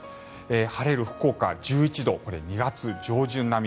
晴れる福岡、１１度２月上旬並み。